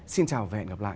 xin chào và hẹn gặp lại